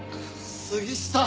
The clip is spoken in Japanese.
杉下！